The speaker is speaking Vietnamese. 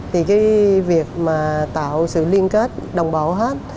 thì cái việc mà tạo sự liên kết đồng bào hết